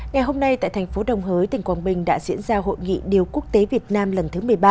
ngày hôm nay tại thành phố đồng hới tỉnh quảng bình đã diễn ra hội nghị điều quốc tế việt nam lần thứ một mươi ba